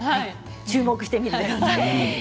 注目してください。